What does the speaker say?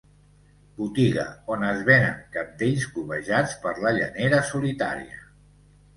Botiga on es venen cabdells cobejats per la llanera solitària.